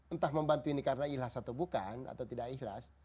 entah membantu ini karena ikhlas atau bukan atau tidak ikhlas